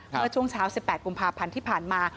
เมื่อช่วงเช้า๑๘กุมภาพันธ์ที่ผ่านมา